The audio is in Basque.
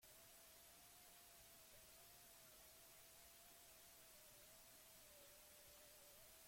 Agian Lerin lehentxeago abandonatu balitz hau gertatuko litzateke.